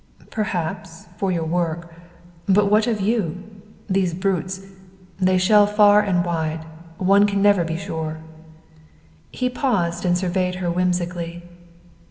"Perhaps, for your work. But what of you? These brutes they shell far and wide. One can never be sure." He paused and surveyed her whimsically.